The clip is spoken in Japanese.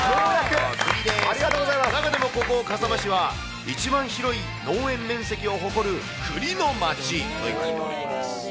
中でもここ、笠間市は一番広い農園面積を誇るくりの町といわれています。